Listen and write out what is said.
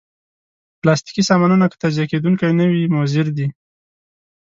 پلاستيکي سامانونه که تجزیه کېدونکي نه وي، مضر دي.